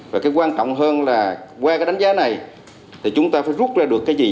và cái quan trọng hơn là qua cái đánh giá này thì chúng ta phải rút ra được cái gì